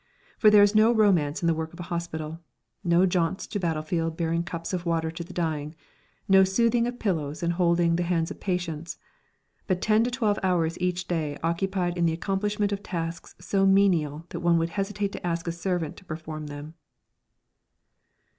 For there is no romance in the work of a hospital, no jaunts to battlefields bearing cups of water to the dying, no soothing of pillows and holding the hands of patients; but ten to twelve hours each day occupied in the accomplishment of tasks so menial that one would hesitate to ask a servant to perform them.